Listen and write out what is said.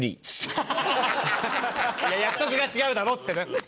「約束が違うだろ」っつってた。